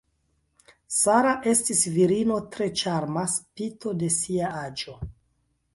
Sara estis virino tre ĉarma spite de sia aĝo.